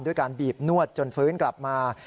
การบีบนวดจนฟื้นกลับมา